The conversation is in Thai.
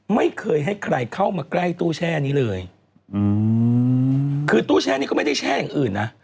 ไม่เคยให้ใครเข้ามาใกล้ตู้แช่นี้เลยอืมคือตู้แช่นี้ก็ไม่ได้แช่อย่างอื่นนะ